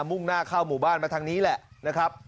มุ่งหน้าเข้าหมู่บ้านมาทางนี้แหละนะครับ